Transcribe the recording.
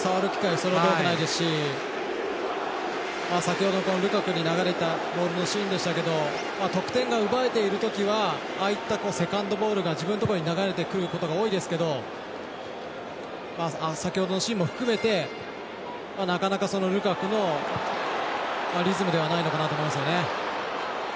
それほど多くありませんし先ほどルカクに流れたボールのシーンでしたけど得点が奪えているときはああいったセカンドボールが自分のところに流れてくることが多いですけど先ほどのシーンも含めてなかなかルカクのリズムではないのかなと思いますよね。